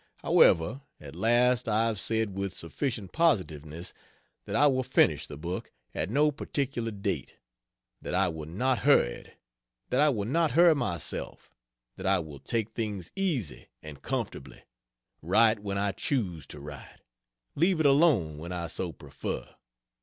However, at last I have said with sufficient positiveness that I will finish the book at no particular date; that I will not hurry it; that I will not hurry myself; that I will take things easy and comfortably, write when I choose to write, leave it alone when I so prefer.